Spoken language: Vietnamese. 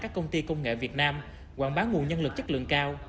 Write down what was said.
các công ty công nghệ việt nam quảng bá nguồn nhân lực chất lượng cao